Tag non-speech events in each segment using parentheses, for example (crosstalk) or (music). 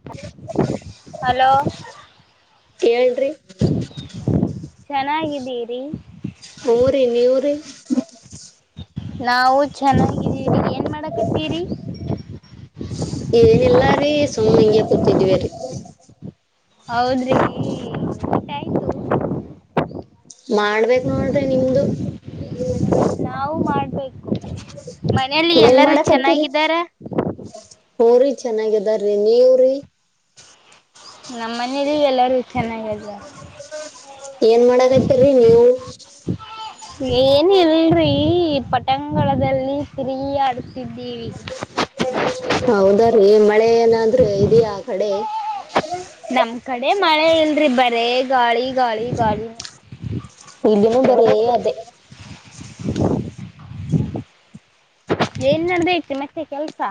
(inaudible) Hello ಹೇಳ್ರಿ ಚೆನ್ನಾಗಿದ್ದೀರಿ ಹ್ಮರೀ ನೀವರಿ ನಾವು ಚೆನ್ನಾಗಿದ್ದೀರಿ ಏನ್ ಮಾಡಕತ್ತೀರಿ. ಏನಿಲ್ಲ ರೀ ಸುಮ್ ಹಿಂಗೇ ಕೂತಿದ್ವಿವರಿ. ಹೌದ್ರಿ (unintelligible) ಮಾಡ್ಬೇಕ ನೋಡ್ರಿ ನಿಮ್ದು ನಾವು ಮಾಡ್ಬೇಕು ಮನೆಯಲ್ಲಿ ಎಲ್ಲರೂ ಚೆನ್ನಾಗಿದಾರ. ಹುರಿ ಚೆನ್ನಾಗಿದರಿ ನೀವ್ರಿ ನಮ್ಮ ಮನೇಲಿ ಎಲ್ಲಾರೂ ಚೆನ್ನಾಗ ಏನ್ ಮಾಡಕತ್ತೇರಿ ನೀವು (inaudible) ಏನ್ ಇಲ್ರಿ ಪಟಂಗ ಒಳಗಲ್ಲಿ ಫ್ರೀ ಆಡ್ತಿದ್ದೀವಿ. ಹೌದರೀ ಮಳೆ ಏನಾದ್ರ ಇದಯಾ ಆಕಡೆ ನಮ್ ಕಡೆ ಮಳೆ ಇಲ್ರಿ ಬರೇ ಗಾಳಿ ಗಾಳಿ ಗಾಳಿ ಇದನ್ನು ಬರೇ ಅದೇ ಏನ್ ನಡದತೇ ಮತ್ತೆ ಕೆಲ್ಸ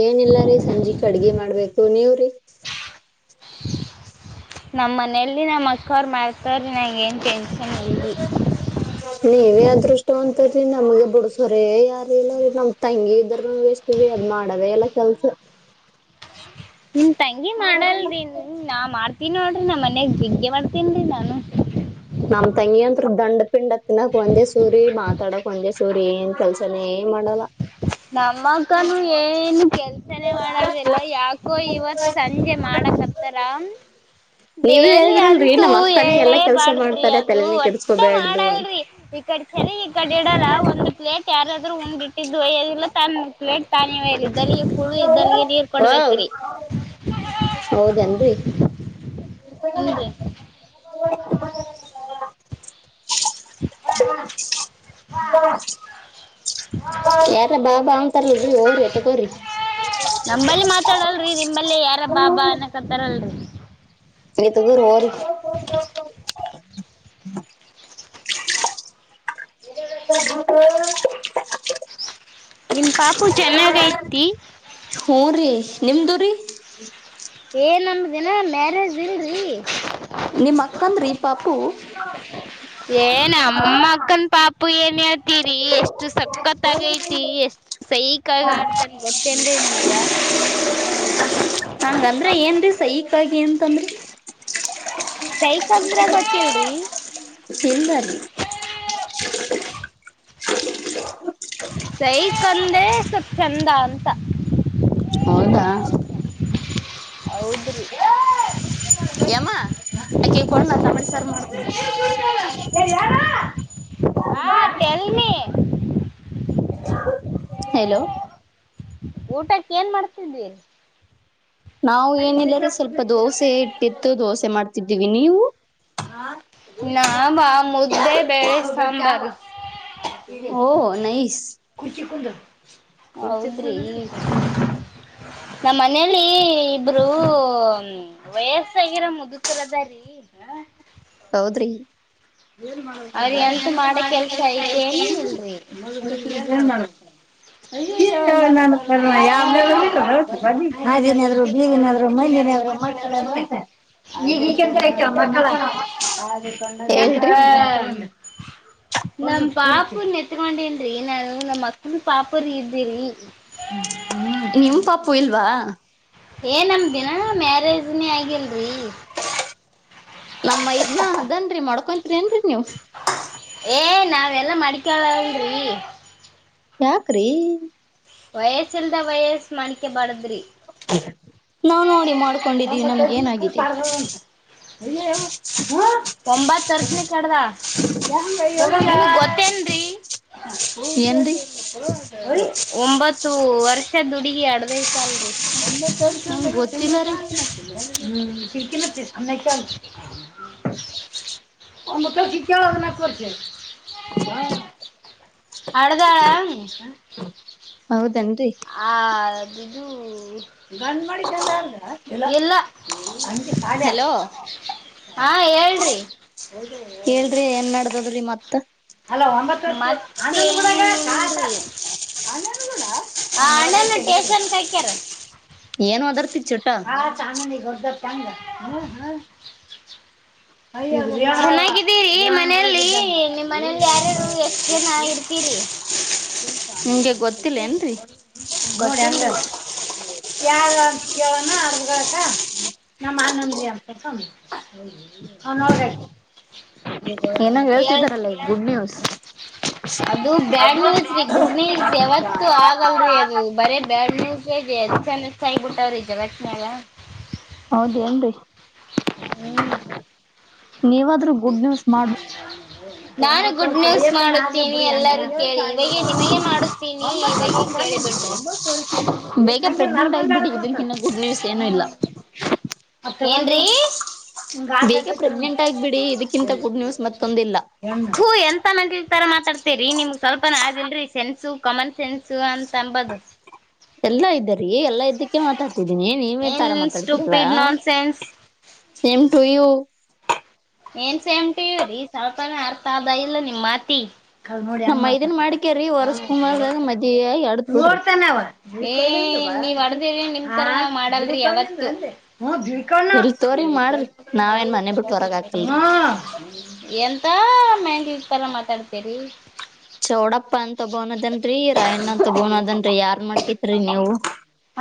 ಏನಿಲ್ಲರೀ ಸಂಜೆಕ ಅಡ್ಗೆ ಮಾಡ್ಬೇಕು ನೀವ್ರೀ (inaudible) ನಮ್ಮ ಮನೆಲ್ಲಿ ನಮ್ಮ ಅಕ್ಕ ಅವ್ರ ಮ್ಯಾಟರ್ ನ್ಯಾಗ ಏನ್ ಟೆನ್ಷನ್ ಇಲ್ರಿ. ನೀ ಏನೇ ಅದೃಷ್ಟವಂತದಿ ನಮಗೆ ಬುಡಸೋರ ಯಾರ ಇಲ್ಲಾರಿ ನಮ ತಂಗಿ ಇದ್ರ ವೇಸ್ ರೀ ಅದ ಮಾಡದೇ ಇಲ್ಲ ಕೆಲ್ಸ. ನಿನ್ ತಂಗಿ ಮಾಡಲ್ರಿ ನಾ ಮಾಡ್ತೀನ ನೋಡ್ರಿ ನಮ್ಮ ಮನ್ಯಗ್ ಜಿಗ್ಗೆ ಮಾಡ್ತನ್ರೀ ನಾನು ನಮ್ಮ ತಂಗಿ ಅಂತ್ರು ದಂಡ ಪಿಂಡ (unintelligible) ಒಂದೇ ಸೂರಿ ಮಾತಾಡಕ್ ಒಂದೇ ಸೂರಿ ಏನ್ ಕೆಲ್ಸ ತಲೆ ಮಾಡಲ್ಲ. ನಮ್ಮಕ್ಕನು ಏನು ಕೆಲ್ ಲ್ಸನೆ ಮಾಡದಿಲ್ಲ ಯಾಕೋ ಇವತ್ ಸಂಜೆ ಮಾಡಕತ್ತಾರ. ನೀವೇ ಡೇಲಿ ಹೇಳಿದ್ರಲ್ರರಿ ಅಂತೂ ನಮ್ಮ್ ಅಕ್ಕನೇ ಎಳ್ಳೆ ಎಲ್ಲಾ ಕೆಲ್ಸ ಬಾರ್ದರ್ರಿ ಮಾಡ್ತಾರೆ ಅದು ತಲೆನೇ ವಟ್ಟೆ ಕೆಡ್ಸ್ಕೋಬ್ಯಾಡ್ದು ಅಂತ ಮಾಡಲ್ಲರಿ ಈ ಕಡೆ. ಚರಿಗೀಕಡಿಡಲ್ಲ ಒಂದ ಪ್ಲೇಟ್ ಯಾರಾದ್ರೂ ಉಂಡ ಇಟ್ಟದ್ದ ಒಯ್ಯದಿಲ್ಲ ತನ್ನ ಪ್ಲೇಟ್ ತಾನೆ ಒಯ್ಯಲ್ಲ ಇದ್ದಲ್ಲಿಗೆ ಕುಳು ಇದ್ದಲ್ಲಿಗೆ ನೀ ಒ ಹೌದೇನ್ರಿ. ಹ್ಮ್ ನ್ರಿ. (unintelligible) (unintelligible) ಯಾಕ ಬಾಬಾ ಅಂತಾರಲ್ರಿ ಹೋರಿ ತಗೋರಿ. ನಮ್ಮಲ್ಲಿ ಮಾತಾಡಲ್ರಿ ನಿಂಬಲ್ಲಿ ಯಾರ ಬಾಬಾ ಅನ್ನಕತ್ತಾರಲ್ರಿ. ರಿ ತಗೋರಿ ಹೋರಿ. (unintelligible) ನಿಮ್ಮ ಪಾಪು ಚೆನ್ನಾಗೈತಿ. ಹೂ ರೀ ನಿಮ್ದು ರೀ. ಏ ನಮ್ಮದಿನ ಮ್ಯಾರೇಜ್ ಇಲ್ರಿ. ನಿಮ್ಮ್ ಅಕ್ಕಂದ್ರಿ ಪಾಪು. ಏ ನಮ್ಮ ಅಕ್ಕನ್ ಪಾಪು ಏನ್ಹೇಳ್ ಇತರಿ ಎಷ್ಟು ಸಕ್ಕತ್ತಾಗ ಐತಿ ಎಷ್ಟ ಸೈಕಾಗ ಆಡ್ತನ್ ಗೊತ್ತೇನ್ರಿ ನಿಮಗ. ಹಂಗಂದ್ರ ಏನ್ರೀ ಸೈಕಾಗಿ ಅಂತಂದ್ರಿ. ಸೈಕ್ಂದ್ರ ಗೊತ್ತಿಲ್ರಿ. ಇಲ್ಲಾರಿ. ಸೈಕಂದ್ರೆ ಸ್ವಲ್ಪ ಚಂದ ಅಂತ. ಹೌದಾ. ಹೌದ್ರಿ. ಯಮ್ಮ ಅಕಿ ಕೊಂಡ ನ ತಮ್ಮಟಿ ಸಾರ ಮಾಡ್ತನ ಎ ಯಾರೋ. ಹಾ ಟೆಲ್ ಮೀ. ಹೆಲೋ. ಊಟಕ್ಕೆನ್ ಮಾಡ್ತಿದ್ದಿ. ನಾವು ಏನಿಲ್ಲರಿ ಸ್ವಲ್ಪ ದೋಸೆ ಇಟ್ಟಿತ್ತು ದೋಸೆ ಮಾಡ್ತಿದ್ದೀವಿ ನೀವು. ನಾವಾ ಮುದ್ದೆ ಬೆಳೆ ಸಾಂಬಾರ್. ಓ ನೈಸ್ ಕುರ್ಚಿ ಕುಂದ್ರ ಹೌದ್ ನಮ್ಮ ಮನೆಯಲ್ಲಿ ಇಬ್ಬರೂ. ವಯಸ್ಸಾಗಿರೋ ಮುದುಕರದಾರೀ. (unintelligible) ಹೌದ್ರಿ. ಅವ್ರಿ ಐ ಅಂತ ಎಂತ ಮಾಡ ಮಾಡಕ್ ಕೆಲ್ಸ ಐತೆ ಏನ್ ಐತೇನ್ರೀ ಇಲ್ರಿ ಹೌದರಿ ಇದೇನ್ (unintelligible) ಅಯ್ಯಯ್ಯ ನನ್ನ ಕರ್ಮ (unintelligible) ಹಾದಿ ನೆದರು ಬೀದಿ ನೆದರು ಮಂದಿ ನೆದರು (unintelligible) ಈಗ ಕೆಲ್ಸ ಆಯ್ತೋ ಮಕ್ಕಳಾ ಹಾದಿ ಹೇಳ್ರಿ ಕಣ್ಣು (unintelligible) ನಮ್ ಪಾಪುನ ಎತ್ಕೊಂಡೆನ್ರಿ ನಾನು ನಮ್ಮ ಅಕ್ಕನ ಪಾಪುರಿ ಇದರಿ. ನಿಮ್ಮ ಪಾಪು ಇಲ್ವಾ. ಏ ನಮದಿನ ಮ್ಯಾರೇಜ್ನೇ ಆಗಿಲ್ರಿ. ನಮ್ಮ್ ಮೈದ್ನ ಅದನ್ರಿ ಮಡ್ಕೊಂತರಿ ಏನ್ರರಿ ನೀವು. ಏ ನಾವೆಲ್ಲಾ ಮಡಕಳಲರಿ. ಯಾಕ್ರಿ?. ವಯಸ್ಸಲ್ದ ವಯಸ್ ಮಡಿಕೆಬಾರದರಿ. ನಾವ್ ನೋಡಿ ಮಾಡ್ಕೊಂಡಿದ್ದೀವಿ ನಮ್ಗೆ ಏನಾಗಿದೆ. ಅಯ್ಯ ಹ ಒಂಬತ್ ವರ್ಷದಕಿ ಹಡದಾಳ. ಗೊತ್ತೇನ್ರಿ. ಏನ್ರಿ ಒಂಬತ್ತು ವರ್ಷದ ದುಡುಗಿ ಅಡದೈತಲ್ರರಿ ಒತ್ತುರ್. ನಮ್ಗ್ ಗೊತ್ತಿಲ್ಲರಿ ೀನ್ನ (unintelligible) ಆಮ್ಮ ಕರ್ಚಿ ಕ ಆದ ನ ಕೊರ್ ಹ (unintelligible) ಹಡದಾಳ. ಹೌದನ್ರಿ. ಅದುದು ಚ (unintelligible) ಅದೇ ಹಲೋ ಹಾ ಹೇಳ್ರಿ. ಕೇಳ್ರಿ ಏನ್ ನಡ್ದದ್ರಿ ಮತ್. ಅಲ ಒಂಬತ್ತು ಮಾತ್ ಏನ್ ರಿ. ಅಣ್ಣ ಕೂಡ ಅಣ್ಣ ಟೇಶನ್ ಕ ಹಾಕ್ಯಾರ. ಏನ್ ವದರತ್ತಿ. ಹಾ ಚನ್ನ ನಿಗದ ಚಂದ ಹ ಹ.. ಚೆನ್ನಾಗಿದ್ದೀರಿ ಮನೆಯಲ್ಲಿ ನಿಮ್ ಮನೇಲಿ ಯಾರಾರು ಎಷ್ಟ್ ಜನ ಇರ್ತೀರಿ. ಹ ನಿಮ್ಗೆ ಗೊತ್ತಿಲ್ಲೇನ್ರಿ (unintelligible) ಅಂತ ಆ ಯಾರ (unintelligible) ಯವನ ಅರುಗತ ನ ಮಾನಂದ ಲ. ಸಣ್ಣವಗೆಷ್ಟ್ಟ. ಏನೋ ಹೇಳ್ತಿದಾರಲ್ಲ ಈ ಗುಡ್ ನ್ಯೂಸ್ ಅ (unintelligible) ಇದು ಬ್ಯಾಡ್ ನ್ಯೂಸ್ ರೀ ಗುಡ್ ನ್ಯೂಸ್ ಯಾವತ್ತು ಆಗಲ್ರರಿ ಅದು ಬರ ಬ್ಯಾಡ್ ನ್ಯೂಸ್. ಚೆಂದ ಕಾಯಿಬಿಟ್ಟ ಅವ್ರ ಜಗತನಾಗ್. ಹೌದ ಏನ್ರಿ. ಹ್ಮ್ ನೀವಾದ್ರೂ ಗುಡ್ ನ್ಯೂಸ್ ಮಾಡಬ. ನಾನು ಗುಡ್ ನ್ಯೂಸ್ ಮಾಡುತ್ತೀನಿ ಎಲ್ಲರ ಕೇಳಿ ಇವಗೆ ನಿಮಗೆ ಮಾಡುತ್ತೀನಿ ಇವಬಿಟ್ಟು. ಬೇಗ ಪ್ರೆಗ್ನೆಂಟ್ ನರ್ಮಂದ. ಆಗ್ಬಿಡಿ ಇದಕ್ಕಿನ್ನ ಗುಡ್ ನ್ಯೂಸ್ ಏನು ಇಲ್ಲ ಏನರೀ?................ ಬೇಗ ಪ್ರೆಗ್ನೆಂಟ್ ಆಗ್ಬಿಡಿ ಇದಕ್ಕಿಂತ ಗುಡ್ ನ್ಯೂಸ್ ಮತ್ತೊಂದಿಲ್ಲ ತೋ ಎಂತ ಮಂಲಿ ತರ ಮಾತಾಡ್ತೇರಿ ನಿಮ್ಗ್ ಸ್ವಲ್ಪನ ಆ ಆದಿಲ್ರರಿ ಸೆನ್ಸು ಕಾಮನ್ ಸೆನ್ಸ ಅಂತ ಅಂಬದು. (unintelligible) ಎಲ್ಲಾ ಇದ್ದಾರಿ ಎಲ್ಲಾ ಇದ್ದಕ್ಕೆ ಮಾತಾಡ್ತಿದ್ದೀನಿ ನೀವೇ ಏನ್ ತರ ಮಾತಾಡ್ತಿರಲ್ಲ. Stupid nonsense same to you. ಏನ್ ಸೇಮಟಿವವ್ರೀ ಸ್ವಲ್ಪನೇ ಅರ್ಥ ಆದದ ಇಲ್ಲ ನಿಮ್ ಮಾತಿ ಕಾ ನೋಡಿ ನಮ್ ಹೆಂಗ ಮೈದನ್ ಮಾಡ್ತಾನ ಮಾಡ್ಕ್ಯರಿ ವರ್ಷ ತುಂಬಾದಾಗ ಮದ್ವಿ ಆಗಿ ಅಡದ್ ಬಿಡ್ರಿ ನೋಡ್ತಾನ ಅವ. ಏ ನೀ ಹೊಡದಿ ನಿಮ್ ತರ ನಾವ್ ಮಾಡಲ್ ರೀ ಯಾವತ್ತು. ಎಲ್ ತೋರಿ ಮಾಡ್ರಿ ನಾವೇನ್ ಮನೆ ಬಿಟ್ಟು ಹೊರಗ್ (unintelligible) ಹಾಕಲ್ರಿ ಹ ಎಂತ ಮ್ಯಾಂದಿವಿ ತರ ಮಾತಾಡತೇರಿ. ಚೌಡಪ್ಪ ಅಂತ ಒಬವ್ನ್ ಅದನ್ ರೀ ರಾಯಣ್ಣ ಅಂತ ಒಬವ್ನ್ ಅದನ್ ರೀ ಯಾರ್ ಮಾಡ್ಕತ್ರಿ ನೀವು.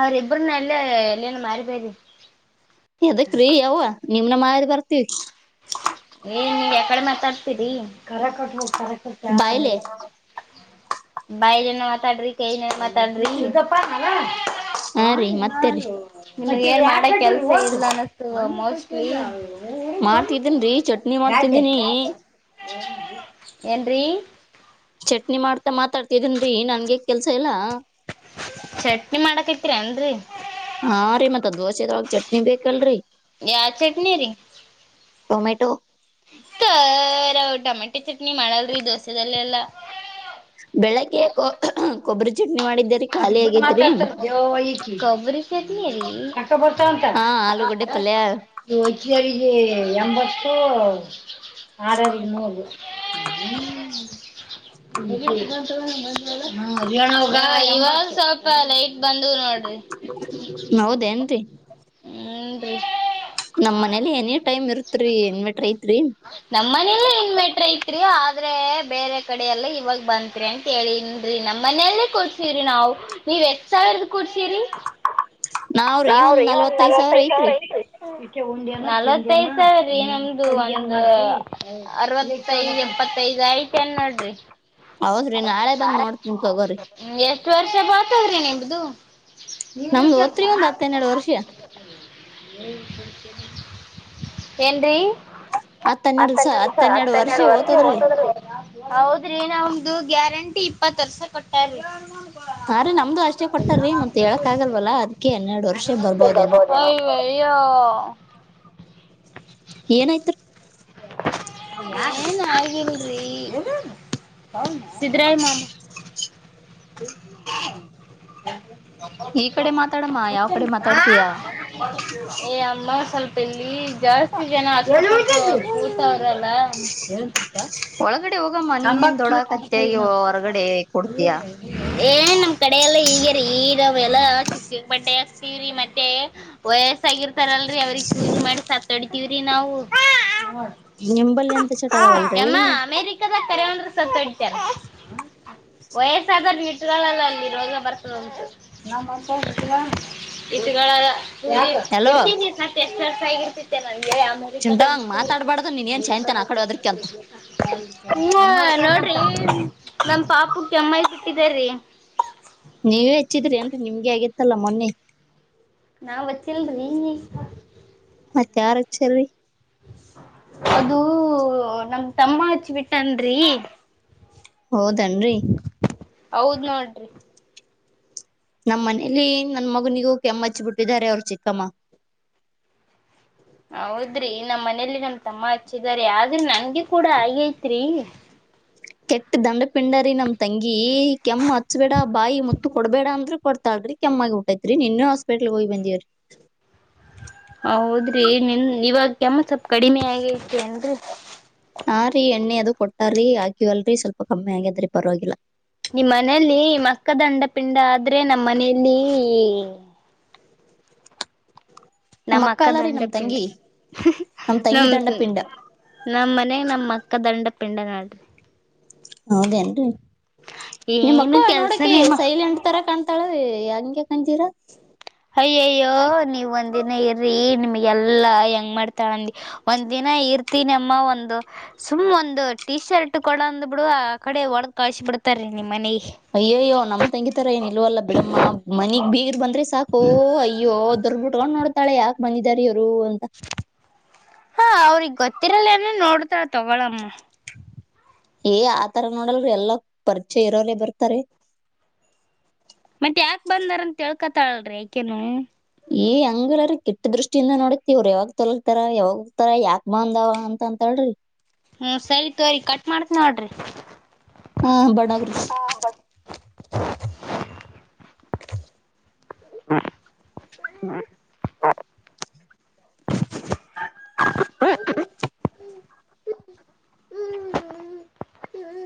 ಅವ್ರ ಇಬ್ಬ್ರನ್ನ ಎಲ್ಲ ಎನ್ ಮಾರಿಬೇರಿ. ಅದಕ್ ರೀ ಯವ್ವ ನಿಮ್ನ ಮಾರಿ ಬರ್ತೀವಿ. ಏನ್ ನೀ ಯಕಡೆ ಮಾತಾಡ್ತೀರಿ ಕರ ಕಟ್ಟಿ ಕರ ಕಟ್ಟಿ ಬಾಯ್ಲೆ ಆಮೇಲೆ ಬಾಯಲನ ಮಾತಾಡ್ರಿ ಕೈಲನ ಮಾತಾಡ್ರಿ ಹಾ ರೀ ಮತ್ತೇರಿ (unintelligible) ಏನ್ ಮಾಡಕೆಲ್ಸ ಇಲ್ಲಾ ಅನಸತದ್ ಮೋಸ್ಟ್ ಲೀ ಮಾಡ್ತಿದ್ದೀನ್ ರೀಚ ಯಾಡ್ ಏನ್ರೀ ಚಟ್ನಿ ಮಾಡ್ತಾ ಮಾತಾಡ್ತಿದನ್ರಿ ನನ್ಗೆ ಯಾಕ ಕೆಲ್ಸಾ ಇಲ್ಲಾ ಚಟ್ನಿ ಮಾಡಕತಿರೇನರಿ ಹಾ ರೀ ಮತ್ತ ದೋಸೆದೋಳಗ ಚಟ್ನಿ ಬೇಕಲ್ರರಿ ಯಾವ ಚಟ್ನಿ ರೀ ಟೊಮೆಟೊ ತ್ತೋ ಟೊಮೆಟೆ ಚಟ್ನಿ ಮಾಡಲ್ರಿ ದೋಸೆದಲ್ಲೆಲ್ಲಾ ಬೆಳಿಗ್ಗೆ ಕೊಬ್ಬರಿ ಚಟ್ನಿ ಮಾಡಿದ್ದೇರಿ ಖಾಲಿ ಆಗೇತ್ರಿ (unintelligible) ಬರ್ತಾವಂತ ಹಾ ಆಲೂಗೊಡ್ಡೆ ಪಲ್ಯಾ ಇ ಒತ್ತಿಯರಿಗೆ ಎಂಬತ್ತು ಆರರಿಗೆ ನೂರು (unintelligible) (unintelligible) ಇವಾಗ ಸ್ವಲ್ಪ ಲೈಟ್ ಬಂದ ನೋಡ್ರಿ ಹೌದೇ ಏನ್ರಿ ಹುಂ ರಿ ನಮ್ ಮನೇಲಿ ಎನಿ ಟೈಮ್ ಇರ್ತ್ರಿ ಎನ್ ಮೆಟ್ರ ಐತ್ರಿ ನಮ್ ಮನೇಲ್ಲಿ ಇನ್ ಮೆಟ್ರ ಐತ್ರಿ ಆದ್ರೆ ಬೇರೆ ಕಡೆ ಎಲ್ಲಾ ಇವಾಗ ಬಂತ ರಿ ಅಂತ ಹೇಳನ್ರೀ ನಮ್ಮ ಮನೆಯಲ್ಲೇ ಕೊಡ್ಸಿವವ್ರಿ ನಾವು ನೀವ್ ಎಷ್ಟ ಸಾವಿರದ ಕುಡಿಸಿರಿ ನಾವ್ರಿ ಒಂದ್ ನಲ್ವತ್ತೈದ್ ಸಾವಿರ ನಲ್ವತ್ತೈಐದ ಸಾವಿರದ ಐತ್ರಿ ಐತಿ ನಲವತ್ತೈದು ಸಾವಿರದರಿ ನಮ್ದು ಒಂದು ಅರವತ್ತಐದು ಎಪ್ಪತ್ತೈದ್ ಐಯ್ತ ನ್ ನೋಡ್ರಿ ಹೌದ್ರಿ ನಾಳೆ ಬಂದ್ ನೋಡ್ತೀನ ತೊಗೋರಿ ಎಷ್ಟ ವರ್ಷ ಬಾಳತದ್ರಿ ನಿಮ್ದು ನಮ್ದು ಒತ್ರಿ ಒಂದ್ ಹತ್ತಹನೇರಡು ವರ್ಷ ಏನ್ರೀ ಹತ್ ಹತ್ತ ಹನ್ನೆರಡ್ ಸ ಹೆರಡು ದಿವಸ ಹತ್ ಹನ್ನೆರಡ್ ಹತ್ತ ಹನ್ನೆರಡು ವರ್ಷ ಓತದ್ರಿ ಹೋತದ್ರಿ ಅದ ಹೌದ್ರಿ ನಮ್ದು ಗ್ಯಾರಂಟಿ ಇಪ್ಪತ್ ವರ್ಷ ಕೊಟ್ಟಾ ರೀ ಹ ರೀ ನಮ್ದು ಅಷ್ಟೇ ಕೊಟ್ಟಾರೀ ಮತ್ ಹೇಳಕ್ ಆಗಲ್ವಲ್ಲ ಅದಕ ಹನ್ನೆರಡು ವರ್ಷ ಬರ್ಬೋದೇನೋ ಯ ಯೋ ಏನಾಯ್ತರಿ ನಾ ಏನ್ ಆಗಿಲರೀ (unintelligible) ಸಿದ್ರಾಯ ಮಾಮ ಈ ಕಡೆ ಮಾತಾಡಮ್ಮ ಯಾವ ಕಡೆ ಮಾತಾಡ್ತೀಯಾ ಏ ಅಮ್ಮ ಸ್ವಲ್ಪ ಇಲ್ಲಿ ಜಾಸ್ತಿ ಜನ ಅ ಊಸ ಅವ್ರಲ್ಲಾ (unintelligible) ಒಳಗಡೆ ಹೋಗಮ್ಮ ನೀನೇನ್ ದೊಡ್ಡ ಕ್ಯೂಟ್ ಐತ್ ಕತ್ತಿಯಾಗಿ ನೋಡ್. ಹೊರಗಡೆ ಕುಡತ್ತಿಯಾ ಅಯ್ಯಯ್ಯೋ. ಏನ್ ನಮ್ ಕಡೆ ಎಲ್ಲಾ ಹೀಗೆ ರೀ ನಾವು ಎಲ್ಲಾ ಚಿಕ್ಕ ಚಿಕ್ಕ ಬಟ್ಟೆ ವ್ರಿ ಮತ್ತೆ ವಯಸ್ಸಾಗೀರತ್ತಾರಲ್ರೀ ಅವ್ರಗ್ ಸೂಜಿ ಮಾಡಿ ಸತ್ತ ಹೋಡಿ ವ್ರಿ ನಾವು ನಿಂಬಲ್ಲಿ ಎಂತಾ ಚಟಾ ಅದಾವಲರೀ ಕರೆ ಅಂದ್ರ ಸತ್ ಹೋಡಿತಾರ (unintelligible) ವಯಸ್ಸಾದವ್ರ ಇಟ್ಗಳಲಾಲ್ಲ ಅಲ್ಲಿ ರೋಗ ಬರ್ತದ ಉಂಟು (unintelligible) ಇಟ್ಟುಕೊಳ್ಳಲ್ಲ ಹಲೋ ಇಟತಿ ಗಿ ಸತ್ ಎಷ್ಟು ವರ್ಷ ಆಗ ಇರ್ತೆ ನನ್ಗೆ ಚಿಂಟಾಂಗ್ ಮಾತಾಡ್ಬಾರ್ದು ನೀನ್ ಏನ್ ಸಾಯಂತನ ಆ ಕಡೆ ಹೋದ್ರಕಿ ಅಂತ (unintelligible) (unintelligible) ಹೂ ನೋಡ್ರಿ ನಮ ಪಾಪುಗ ಕೆಮ್ಮು ಆಗ್ಬಿಟ್ಟಿದೆ ರೀ ನೀವೇ ಹೆಚ್ಚಿದ್ರಿ ಅಂತ ನಿಮ್ಗೆ ಆಗಿತ್ತಲ್ಲಾ ಮೊನ್ನೆ ನಾವ್ ಅಚ್ಚಿಲ್ರಿ ನೀ ಮತ್ತ ಯಾರ ಹಚ್ಚರೀ ಅದು ನಮ್ ತಮ್ಮ ಹಚ್ಬಿಟ್ಟನ್ರಿ ಹೌದನ್ರಿ ಹೌದ್ ನೋಡ್ರಿ ನಮ್ಮ್ ಮನೇಲಿ ನನ್ ಮಗನಿಗೂ ಕೆಮ್ಮ ಹಚ್ಚಿ ಬಿಟ್ಟಿದ್ದಾರೆ ಅವ್ರು ಚಿಕ್ಕಮ್ಮ ಹೌದ್ರಿ ನಮ್ಮ್ ಮನೇಲಿ ನಮ್ ತಮ್ಮ ಹಚ್ಚಿದಾರೆ ಆದ್ರೆ ನನ್ಗೆ ಕೂಡ ಹಾಗೆಐತ್ರಿ ಕೆಟ್ಟ ದಂಡ ಪಿಂಡರಿ ನಮ ತಂಗಿ ಕೆಮ್ಮ ಹಚ್ಬಿಡ ಬಾಯಿ ಮುತ್ ತ್ತ್ ಕೊಡ್ಬೇಡಂದ್ರೆ ಕೊಡ ಕೊಡ್ತಲ್ರೀ ಕೆಮ್ಮಗ ಟೈತ್ರಿ ನಿನ್ನೇ ಹಾಸ್ಪಿಟಲ್ ಹೋಗಿ ಬಂದಿವವರಿ ಹೌದ್ರಿ ನಿನ್ ಇವಾಗ ಕೆಮ್ಮ ಸ್ವಪ್ ಕಡಿಮೆ ಆಗೈತೆ ಏ ನ್ರಿ ಹಾ ರೀ ಎಣ್ಣೆ ಅದು ಕೊಟ್ಟಾರಿ ಹಾಕಿ ವಲ್ರಿ ಸ್ವಲ್ಪ ಕಮ್ಮಿ ಆಗ್ಯದ್ರಿ ಪರವಾಗಿಲ್ಲ ನಿಮ್ಮ್ ಮನೆಯಲ್ಲಿ ಮಕ್ಕ ದಂಡಪಿಂಡ ಆದ್ರೆ ನಮ್ಮ್ ಮನೆಯಲ್ಲಿ ನಮ್ ನಮ್ಮ ಅಕ್ಕ ಅಲ್ಲಾರಿ ನಮ್ ದಂಡಪ್ಪಿಂಡ ತಂಗಿ ನಮ್ ತಂಗಿ ನಮ ದಂಡ ಪಿಂಡ ನಮ್ಮ್ ಮನೆಗ ನಮ್ ಅಕ್ಕ ದಂಡ ಪಿಂಡ ಅದಾಳ್ರಿ ಹೌದೇನ್ರಿ ನಿಮ್ಮಕ್ಕ ಏನು ನೋಡಕಿ ಕೆಲ್ಸನೇಮ್ಮ ಸೈಲೆಂಟ್ ತರ ಕಾಣ ತಾಳವ ಹಂಗ್ ಯಾಕ್ ತಂಗಿರ ಅಯ್ಯಯ್ಯೋ ನೀವ್ ಒಂದಿನ ಇರ್ರಿ ನಿಮ್ಗೆಲ್ಲಾ ಹೆಂಗ್ ಮಾಡ್ತಾಳಂದಿ ಒಂದ್ ದಿನ ಇರ್ತ ನಮ್ಮ ಒಂದು ಸುಮ್ ಒಂದು ಟೀ ಶರ್ಟ್ ಕೊಡ ಅಂದ್ ಬಿಡು ಆ ಕಡೆ ಒಳಗ ಕಳ್ ಬಿಡ್ತಾರೀ ನಿಮ್ಮ್ ಮನೆ ಅಯ್ಯಯ್ಯೋ ನಮ್ ತಂಗಿತರಾ ಏನ್ ನಿಲ್ವಲ್ಲ ಬಿಡಮ್ಮ ಮನಿಗ್ ಬೀರ ಬಂದ್ರೆ ಸಾಕು ಅಯ್ಯೋ ದೊರ್ಬುಟ್ಕೊಂಡ್ ನೋಡ್ತಾಳೆ ಯಾಕ ಬಂದಿದಾರ ಇವ್ರು ಅಂತ ಹಾ ಅವ್ರಗ್ ಗೊತ್ತಿರಲ್ಲ ಏನ ನೋಡ್ತಾಳ ತಗೊಳಮ್ಮ ಏ ಆತರ ನೋಡಲ್ ಎಲ್ಲ ಪರಿಚಯ ಇರೋಲ್ಲೇ ಬರ್ತಾರೆ ಮತ್ ಯಾಕ ಬಂದಾರಂತ ತಿಲಕಂತಲ ಅಲ್ರೀ ಆಕಿನು ಈ ಹಂಗಲರೀ ಕೆಟ್ಟು ದೃಷ್ಟಿಯಿಂದ ನೋಡಕ್ತಿವ್ರ ಯಾವಾಗ ತೊಲತಾರ ಯಾವಾಗತಾರ ಯಾಕ್ ಬಂದವ ಅಂತ ಅಂತಾಳ್ರಿ ಹ್ಮ್ ಸರಿ ತೋರಿ ಕಟ್ ಮಾಡ್ತ್ ನೋಡ್ರಿ ಹಾ ಬಡ (unintelligible) ಹ್ಮ್ ಹ್ಮ್ (inaudible)